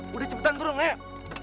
sudahlah turun cepat